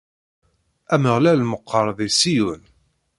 Ameɣlal meqqer di Ṣiyun.